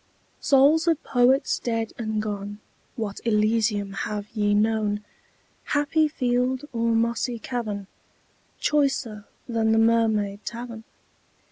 Souls of Poets dead and gone, What Elysium have ye known, Happy field or mossy cavern, Choicer than the Mermaid Tavern?